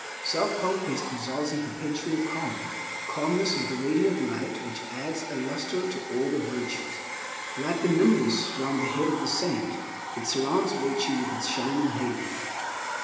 Self conquest results in perpetual calm. Calmness is the radiant light which adds a luster to all the virtues. Like the nimbus round the head of the saint, it surrounds virtue with its shining halo.